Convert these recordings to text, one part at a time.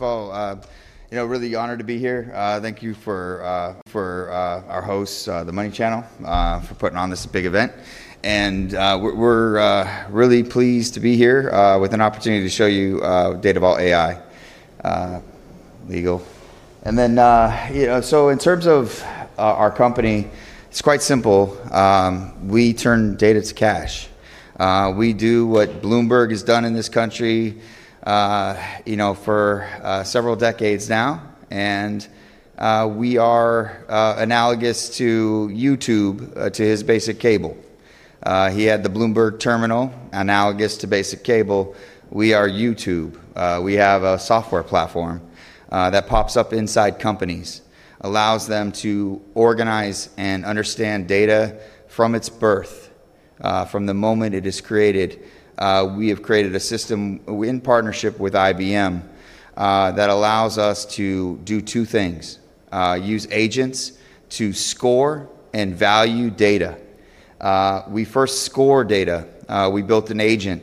I am really honored to be here. Thank you to our hosts, The Money Channel, for putting on this big event. We're really pleased to be here with an opportunity to show you Datavault AI. In terms of our company, it's quite simple. We turn data to cash. We do what Bloomberg has done in this country for several decades now. We are analogous to YouTube to his basic cable. He had the Bloomberg terminal analogous to basic cable. We are YouTube. We have a software platform that pops up inside companies, allows them to organize and understand data from its birth, from the moment it is created. We have created a system in partnership with IBM that allows us to do two things: use agents to score and value data. We first score data. We built an agent.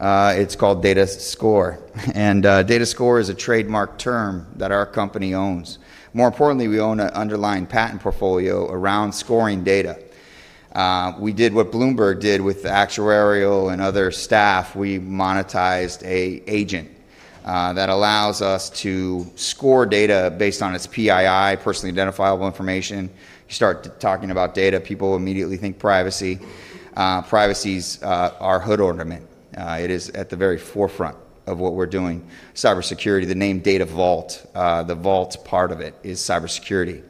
It's called DataScore. DataScore is a trademark term that our company owns. More importantly, we own an underlying patent portfolio around scoring data. We did what Bloomberg did with the actuarial and other staff. We monetized an agent that allows us to score data based on its PII, personally identifiable information. You start talking about data, people immediately think privacy. Privacy is our hood ornament. It is at the very forefront of what we're doing, cybersecurity. The name Datavault, the vault part of it, is cybersecurity.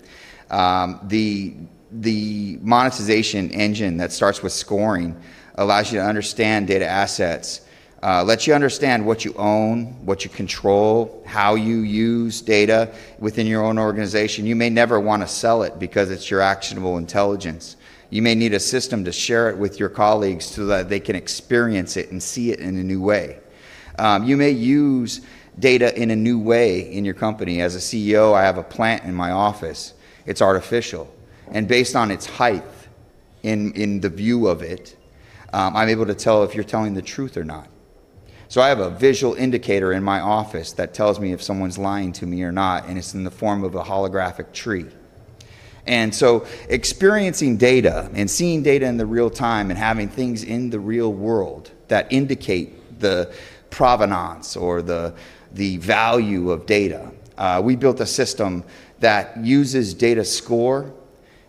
The monetization engine that starts with scoring allows you to understand data assets, lets you understand what you own, what you control, how you use data within your own organization. You may never want to sell it because it's your actionable intelligence. You may need a system to share it with your colleagues so that they can experience it and see it in a new way. You may use data in a new way in your company. As a CEO, I have a plant in my office. It's artificial. Based on its height, in the view of it, I'm able to tell if you're telling the truth or not. I have a visual indicator in my office that tells me if someone's lying to me or not, and it's in the form of a holographic tree. Experiencing data and seeing data in real time and having things in the real world that indicate the provenance or the value of data, we built a system that uses DataScore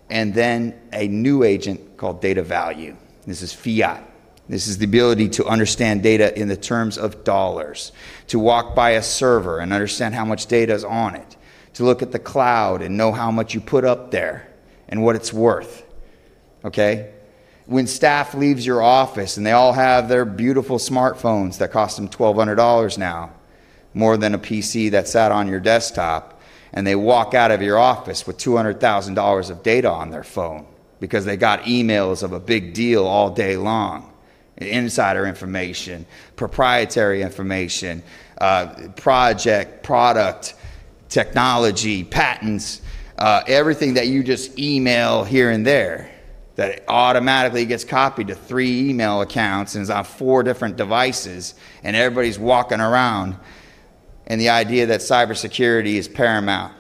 and then a new agent called DataValue. This is fiat. This is the ability to understand data in the terms of dollars, to walk by a server and understand how much data is on it, to look at the cloud and know how much you put up there and what it's worth. OK? When staff leaves your office and they all have their beautiful smartphones that cost them $1,200 now, more than a PC that sat on your desktop, and they walk out of your office with $200,000 of data on their phone because they got emails of a big deal all day long, insider information, proprietary information, project, product, technology, patents, everything that you just email here and there, that it automatically gets copied to three email accounts and is on four different devices, and everybody's walking around. The idea that cybersecurity is paramount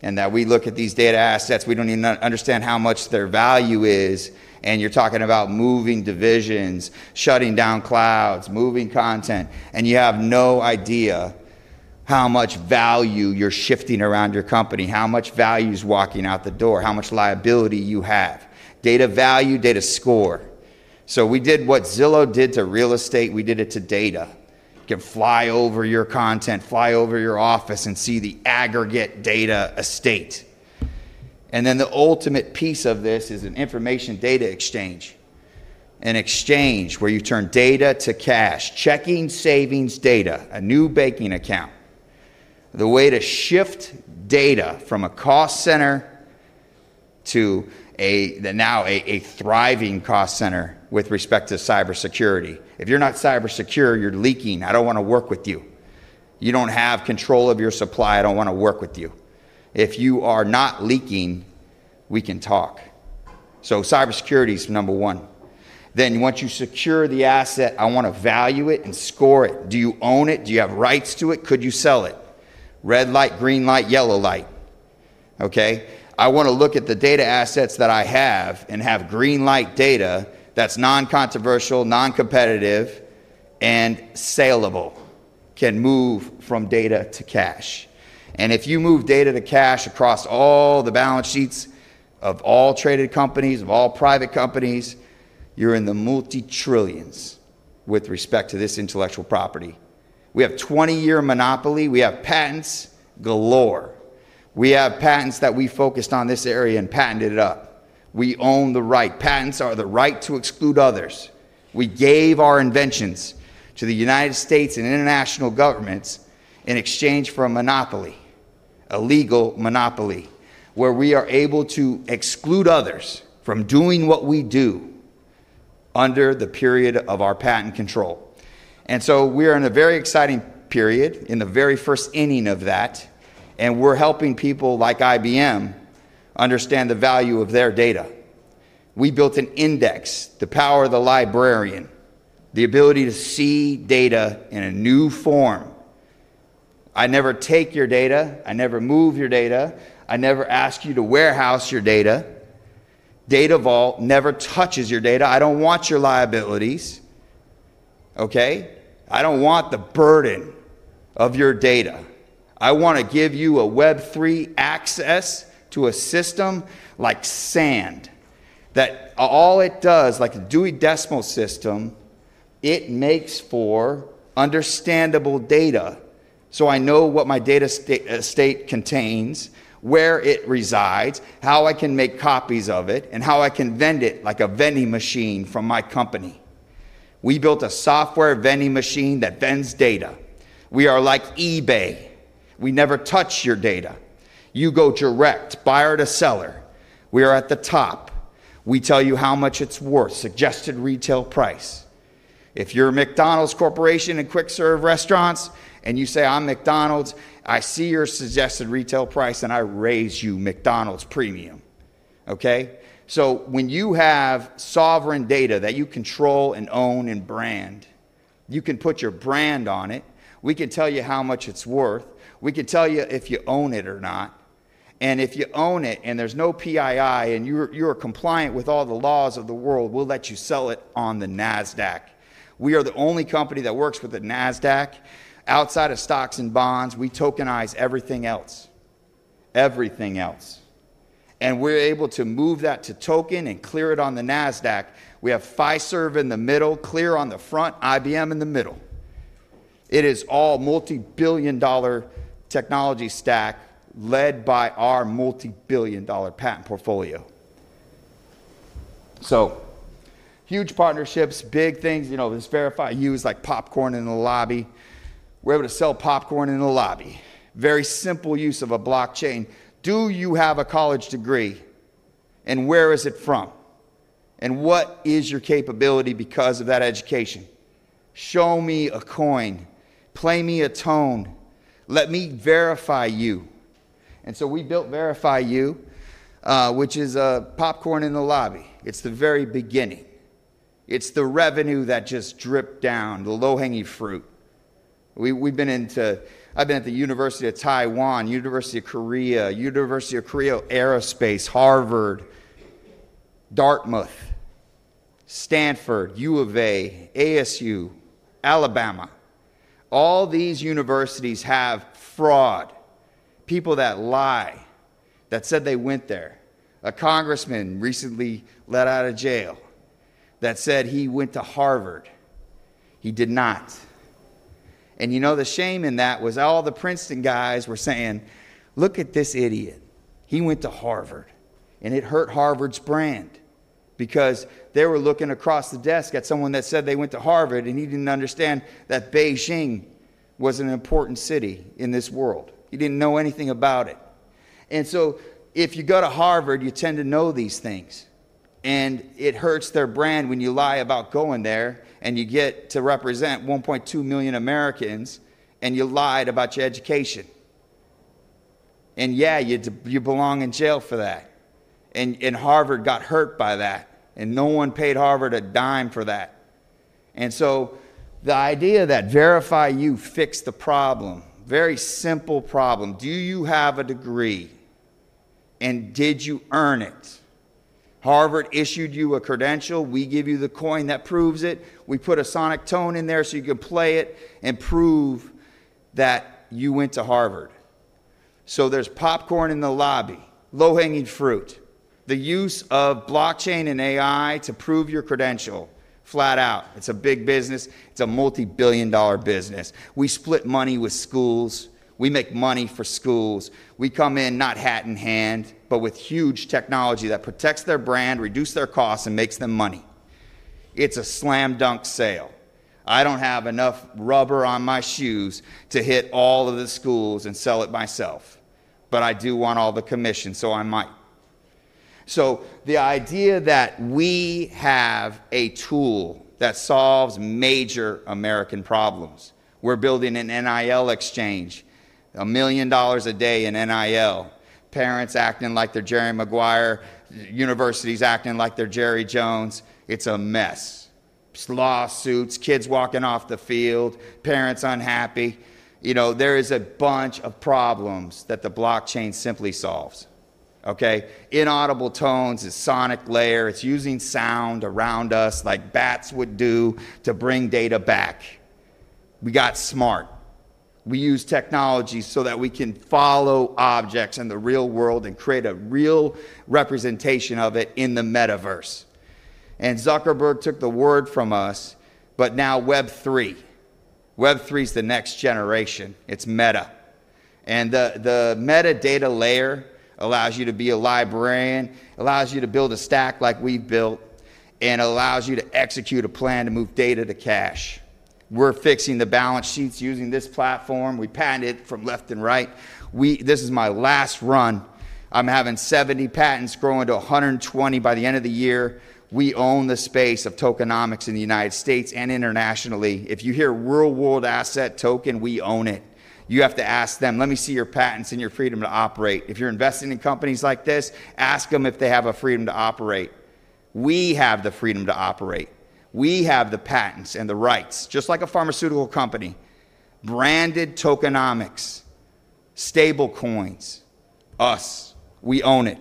and that we look at these data assets, we don't even understand how much their value is. You're talking about moving divisions, shutting down clouds, moving content. You have no idea how much value you're shifting around your company, how much value is walking out the door, how much liability you have. DataValue, DataScore. We did what Zillow did to real estate. We did it to data. You can fly over your content, fly over your office, and see the aggregate data estate. The ultimate piece of this is an information data exchange, an exchange where you turn data to cash, checking, savings, data, a new banking account. The way to shift data from a cost center to now a thriving cost center with respect to cybersecurity. If you're not cybersecure, you're leaking. I don't want to work with you. You don't have control of your supply. I don't want to work with you. If you are not leaking, we can talk. Cybersecurity is number one. Once you secure the asset, I want to value it and score it. Do you own it? Do you have rights to it? Could you sell it? Red light, green light, yellow light. OK? I want to look at the data assets that I have and have green light data that's non-controversial, non-competitive, and salable, can move from data to cash. If you move data to cash across all the balance sheets of all traded companies, of all private companies, you're in the multi-trillions with respect to this intellectual property. We have 20-year monopoly. We have patents galore. We have patents that we focused on this area and patented it up. We own the right. Patents are the right to exclude others. We gave our inventions to the United States and international governments in exchange for a monopoly, a legal monopoly, where we are able to exclude others from doing what we do under the period of our patent control. We are in a very exciting period, in the very first inning of that. We're helping people like IBM understand the value of their data. We built an index, the power of the librarian, the ability to see data in a new form. I never take your data. I never move your data. I never ask you to warehouse your data. Datavault AI never touches your data. I don't want your liabilities. I don't want the burden of your data. I want to give you a Web3 access to a system like sand that all it does, like a Dewey decimal system, it makes for understandable data. I know what my data estate contains, where it resides, how I can make copies of it, and how I can vend it like a vending machine from my company. We built a software vending machine that vends data. We are like eBay. We never touch your data. You go direct, buyer to seller. We are at the top. We tell you how much it's worth, suggested retail price. If you're a McDonald's corporation in quick-serve restaurants and you say, "I'm McDonald's," I see your suggested retail price and I raise you McDonald's premium. When you have sovereign data that you control and own and brand, you can put your brand on it. We can tell you how much it's worth. We can tell you if you own it or not. If you own it and there's no PII and you're compliant with all the laws of the world, we'll let you sell it on the NASDAQ. We are the only company that works with the NASDAQ. Outside of stocks and bonds, we tokenize everything else, everything else. We're able to move that to token and clear it on the NASDAQ. We have Fiserv in the middle, clear on the front, IBM in the middle. It is all multi-billion dollar technology stack led by our multi-billion dollar patent portfolio. Huge partnerships, big things. This Verify U is like popcorn in the lobby. We're able to sell popcorn in the lobby. Very simple use of a blockchain. Do you have a college degree? Where is it from? What is your capability because of that education? Show me a coin. Play me a tone. Let me Verify U. We built Verify U, which is a popcorn in the lobby. It's the very beginning. It's the revenue that just dripped down, the low-hanging fruit. I've been at the University of Taiwan, University of Korea, University of Korea Aerospace, Harvard, Dartmouth, Stanford, U of A, ASU, Alabama. All these universities have fraud, people that lie, that said they went there. A congressman recently let out of jail that said he went to Harvard. He did not. The shame in that was all the Princeton guys were saying, "Look at this idiot. He went to Harvard." It hurt Harvard's brand because they were looking across the desk at someone that said they went to Harvard and he didn't understand that Beijing was an important city in this world. He didn't know anything about it. If you go to Harvard, you tend to know these things. It hurts their brand when you lie about going there and you get to represent 1.2 million Americans and you lied about your education. You belong in jail for that. Harvard got hurt by that. No one paid Harvard a dime for that. The idea that Verify U fixed the problem, very simple problem. Do you have a degree? Did you earn it? Harvard issued you a credential. We give you the coin that proves it. We put a sonic tone in there so you can play it and prove that you went to Harvard. There's popcorn in the lobby, low-hanging fruit, the use of blockchain and AI to prove your credential flat out. It's a big business. It's a multi-billion dollar business. We split money with schools. We make money for schools. We come in not hat in hand, but with huge technology that protects their brand, reduces their costs, and makes them money. It's a slam dunk sale. I don't have enough rubber on my shoes to hit all of the schools and sell it myself. I do want all the commission, so I might. The idea that we have a tool that solves major American problems. We're building an NIL exchange, a million dollars a day in NIL. Parents acting like they're Jerry Maguire, universities acting like they're Jerry Jones. It's a mess. Lawsuits, kids walking off the field, parents unhappy. There is a bunch of problems that the blockchain simply solves. Inaudible tones is a sonic layer. It's using sound around us like bats would do to bring data back. We got smart. We use technology so that we can follow objects in the real world and create a real representation of it in the metaverse. Zuckerberg took the word from us, but now Web3. Web3 is the next generation. It's Meta. The metadata layer allows you to be a librarian, allows you to build a stack like we've built, and allows you to execute a plan to move data to cash. We're fixing the balance sheets using this platform. We patented it from left and right. This is my last run. I'm having 70 patents grow into 120 by the end of the year. We own the space of tokenomics in the United States and internationally. If you hear "real-world asset token," we own it. You have to ask them, "Let me see your patents and your freedom to operate." If you're investing in companies like this, ask them if they have a freedom to operate. We have the freedom to operate. We have the patents and the rights, just like a pharmaceutical company. Branded tokenomics, stablecoins, us. We own it.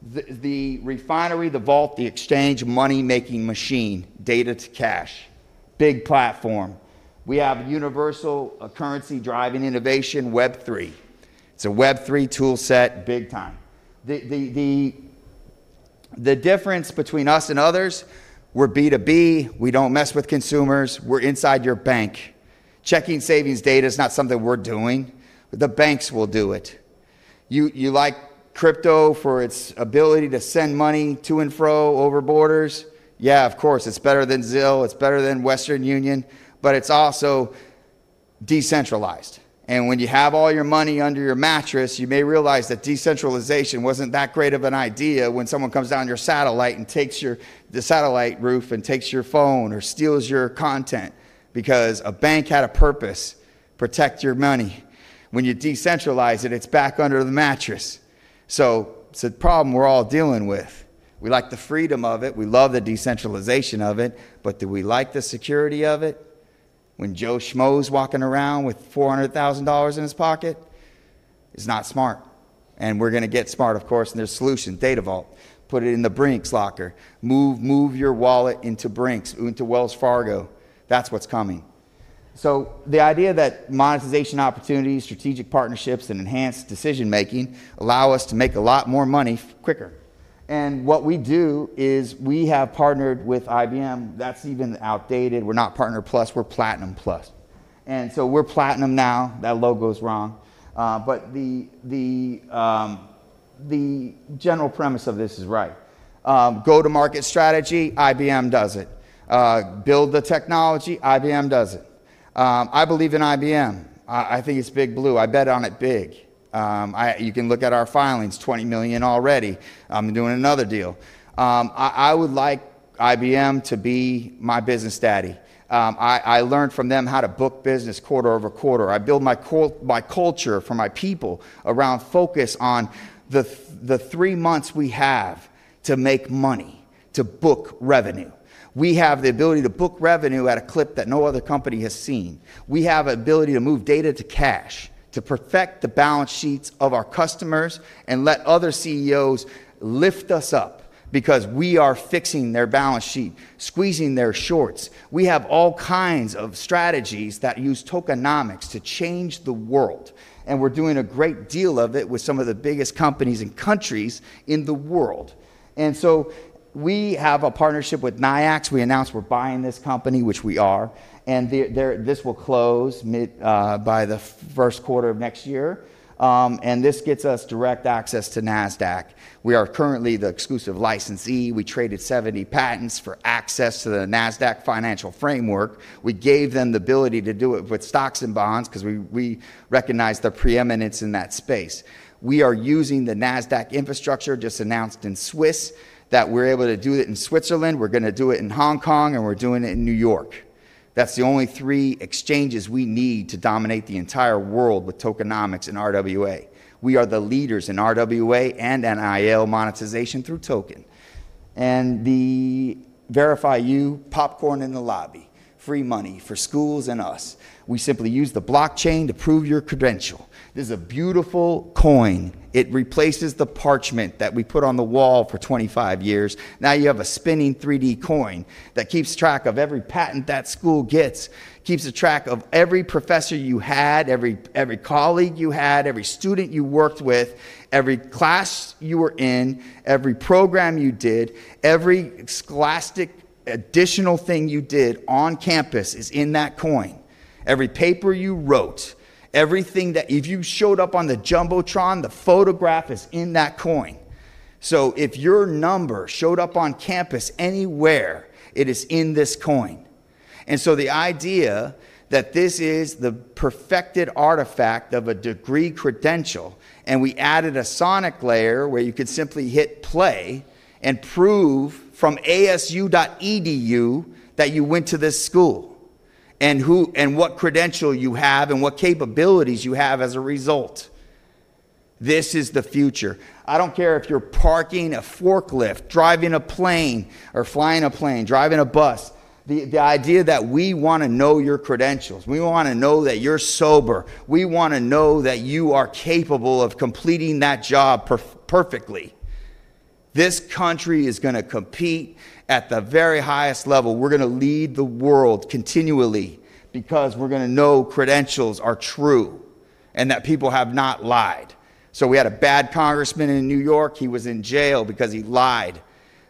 The refinery, the vault, the exchange, money-making machine, data to cash, big platform. We have universal currency driving innovation, Web3. It's a Web3 toolset, big time. The difference between us and others, we're B2B. We don't mess with consumers. We're inside your bank. Checking, savings, data is not something we're doing. The banks will do it. You like crypto for its ability to send money to and fro over borders? Yeah, of course. It's better than Zelle. It's better than Western Union. It's also decentralized. When you have all your money under your mattress, you may realize that decentralization wasn't that great of an idea when someone comes down your satellite and takes your satellite roof and takes your phone or steals your content because a bank had a purpose, protect your money. When you decentralize it, it's back under the mattress. It's a problem we're all dealing with. We like the freedom of it. We love the decentralization of it. Do we like the security of it? When Joe Schmo's walking around with $400,000 in his pocket, it's not smart. We're going to get smart, of course. There's a solution, Datavault. Put it in the Brinks locker. Move your wallet into Brinks, into Wells Fargo. That's what's coming. The idea that monetization opportunities, strategic partnerships, and enhanced decision-making allow us to make a lot more money quicker. What we do is we have partnered with IBM. That's even outdated. We're not Partner Plus. We're Platinum Plus. We're Platinum now. That logo is wrong. The general premise of this is right. Go to market strategy, IBM does it. Build the technology, IBM does it. I believe in IBM. I think it's Big Blue. I bet on it big. You can look at our filings, $20 million already. I'm doing another deal. I would like IBM to be my business daddy. I learned from them how to book business quarter over quarter. I build my culture for my people around focus on the three months we have to make money, to book revenue. We have the ability to book revenue at a clip that no other company has seen. We have the ability to move data to cash, to perfect the balance sheets of our customers and let other CEOs lift us up because we are fixing their balance sheet, squeezing their shorts. We have all kinds of strategies that use tokenomics to change the world. We're doing a great deal of it with some of the biggest companies and countries in the world. We have a partnership with Nyiax. We announced we're buying this company, which we are. This will close by the first quarter of next year. This gets us direct access to NASDAQ. We are currently the exclusive licensee. We traded 70 patents for access to the NASDAQ financial framework. We gave them the ability to do it with stocks and bonds because we recognize the preeminence in that space. We are using the NASDAQ infrastructure, just announced in Switzerland that we're able to do it in Switzerland. We're going to do it in Hong Kong. We're doing it in New York. That's the only three exchanges we need to dominate the entire world with tokenomics and RWA. We are the leaders in RWA and NIL monetization through token. The Verify U, popcorn in the lobby, free money for schools and us. We simply use the blockchain to prove your credential. This is a beautiful coin. It replaces the parchment that we put on the wall for 25 years. Now you have a spinning 3D coin that keeps track of every patent that school gets, keeps a track of every professor you had, every colleague you had, every student you worked with, every class you were in, every program you did, every scholastic additional thing you did on campus is in that coin. Every paper you wrote, everything that if you showed up on the Jumbotron, the photograph is in that coin. If your number showed up on campus anywhere, it is in this coin. The idea that this is the perfected artifact of a degree credential, and we added a sonic layer where you could simply hit play and prove from asu.edu that you went to this school and what credential you have and what capabilities you have as a result. This is the future. I don't care if you're parking a forklift, driving a plane, or flying a plane, driving a bus. The idea that we want to know your credentials. We want to know that you're sober. We want to know that you are capable of completing that job perfectly. This country is going to compete at the very highest level. We're going to lead the world continually because we're going to know credentials are true and that people have not lied. We had a bad congressman in New York. He was in jail because he lied.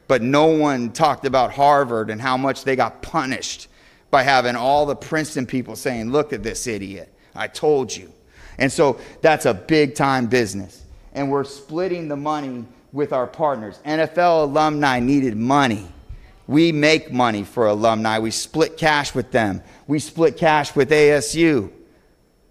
No one talked about Harvard and how much they got punished by having all the Princeton people saying, "Look at this idiot. I told you." That's a big-time business. We're splitting the money with our partners. NFL Alumni Association needed money. We make money for alumni. We split cash with them. We split cash with Arizona State University.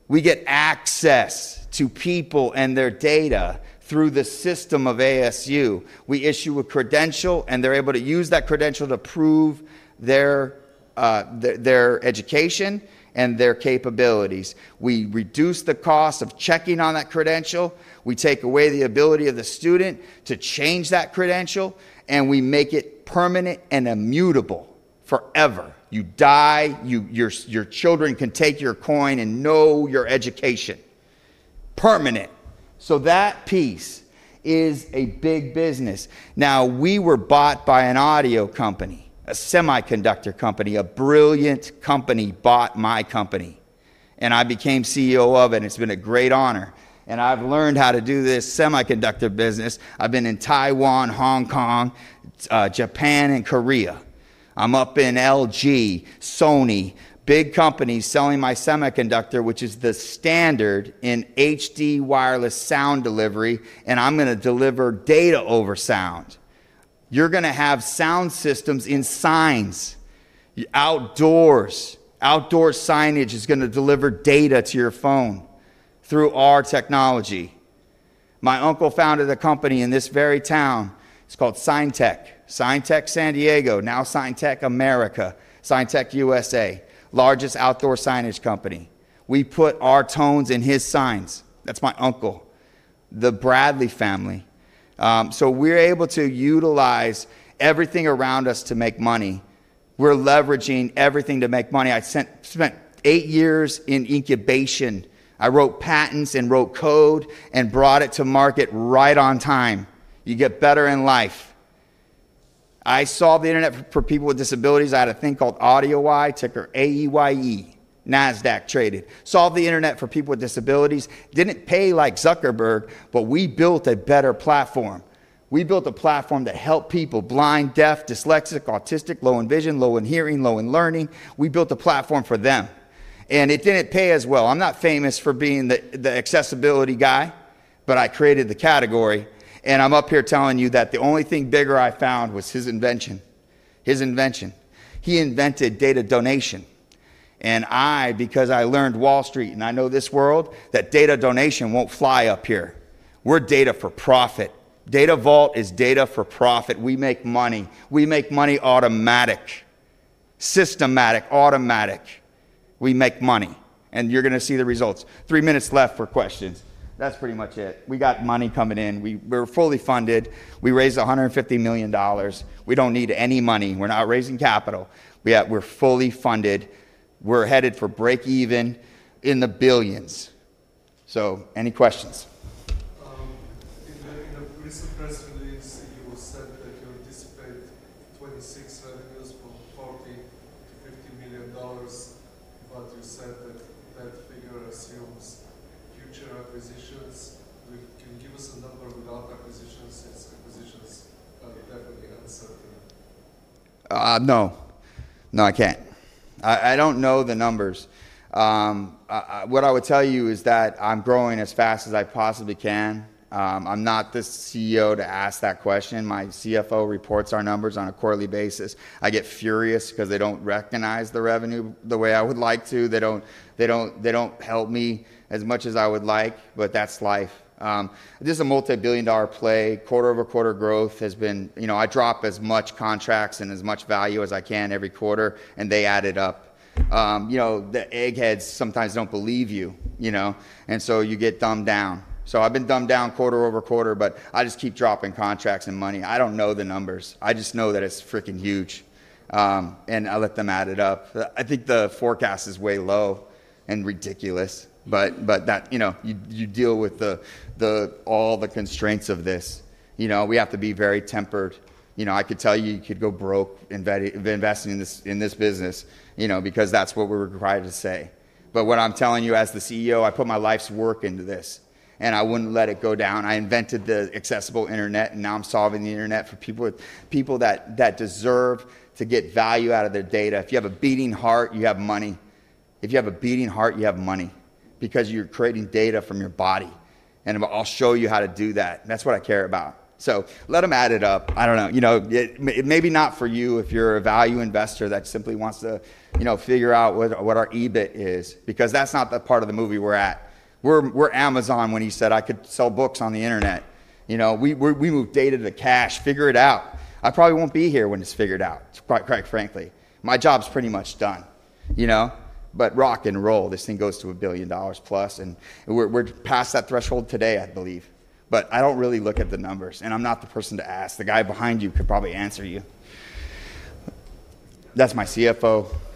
We get access to people and their data through the system of Arizona State University. We issue a credential, and they're able to use that credential to prove their education and their capabilities. We reduce the cost of checking on that credential. We take away the ability of the student to change that credential. We make it permanent and immutable forever. You die, your children can take your coin and know your education, permanent. That piece is a big business. We were bought by an audio company, a semiconductor company. A brilliant company bought my company. I became CEO of it. It's been a great honor. I've learned how to do this semiconductor business. I've been in Taiwan, Hong Kong, Japan, and Korea. I'm up in LG, Sony, big companies selling my semiconductor, which is the standard in HD wireless sound delivery. I'm going to deliver data over sound. You're going to have sound systems in signs, outdoors. Outdoor signage is going to deliver data to your phone through our technology. My uncle founded a company in this very town. It's called Signtech, Signtech San Diego, now Signtech America, Signtech USA, largest outdoor signage company. We put our tones in his signs. That's my uncle, the Bradley family. We're able to utilize everything around us to make money. We're leveraging everything to make money. I spent eight years in incubation. I wrote patents and wrote code and brought it to market right on time. You get better in life. I solved the internet for people with disabilities. I had a thing called AudioY, ticker AUYE, NASDAQ traded. Solved the internet for people with disabilities. Didn't pay like Zuckerberg, but we built a better platform. We built a platform that helped people, blind, deaf, dyslexic, autistic, low in vision, low in hearing, low in learning. We built a platform for them. It didn't pay as well. I'm not famous for being the accessibility guy, but I created the category. I'm up here telling you that the only thing bigger I found was his invention, his invention. He invented data donation. I learned Wall Street and I know this world, that data donation won't fly up here. We're data for profit. Datavault AI is data for profit. We make money. We make money automatic, systematic, automatic. We make money. You're going to see the results. Three minutes left for questions. That's pretty much it. We got money coming in. We're fully funded. We raised $150 million. We don't need any money. We're not raising capital. We're fully funded. We're headed for break even in the billions. Any questions? In the recent press release, you said that you anticipate 2026 revenues from $40 million to $50 million. You said that that figure assumes future acquisitions. Can you give us a number without acquisitions since acquisitions are definitely uncertain? No. No, I can't. I don't know the numbers. What I would tell you is that I'm growing as fast as I possibly can. I'm not the CEO to ask that question. My CFO reports our numbers on a quarterly basis. I get furious because they don't recognize the revenue the way I would like to. They don't help me as much as I would like, but that's life. This is a multi-billion dollar play. Quarter over quarter growth has been, you know, I drop as much contracts and as much value as I can every quarter, and they add it up. The eggheads sometimes don't believe you, you know, and you get dumbed down. I've been dumbed down quarter over quarter, but I just keep dropping contracts and money. I don't know the numbers. I just know that it's freaking huge, and I let them add it up. I think the forecast is way low and ridiculous. You deal with all the constraints of this. We have to be very tempered. I could tell you you could go broke investing in this business because that's what we're required to say. What I'm telling you as the CEO, I put my life's work into this, and I wouldn't let it go down. I invented the accessible internet, and now I'm solving the internet for people that deserve to get value out of their data. If you have a beating heart, you have money. If you have a beating heart, you have money because you're creating data from your body, and I'll show you how to do that. That's what I care about. Let them add it up. I don't know. Maybe not for you if you're a value investor that simply wants to figure out what our EBIT is because that's not the part of the movie we're at. We're Amazon when he said I could sell books on the internet. We move data to cash, figure it out. I probably won't be here when it's figured out, quite frankly. My job's pretty much done, you know. Rock and roll, this thing goes to a billion dollars plus, and we're past that threshold today, I believe. I don't really look at the numbers, and I'm not the person to ask. The guy behind you could probably answer you. That's my CFO. Without